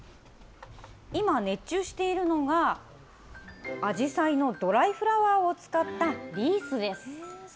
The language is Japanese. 今、熱中しているのが、あじさいのドライフラワーを使ったリースです。